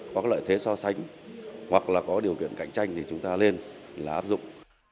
có lợi thế so sánh hoặc là có điều kiện cạnh tranh thì chúng ta lên là áp dụng